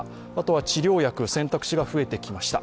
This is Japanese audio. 治療薬の選択肢が増えてきました。